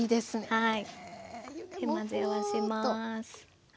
はい。